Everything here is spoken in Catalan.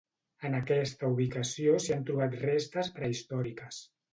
En aquesta ubicació s'hi ha trobat restes prehistòriques.